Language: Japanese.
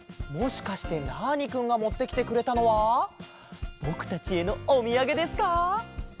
もしかしてナーニくんがもってきてくれたのはぼくたちへのおみやげですか？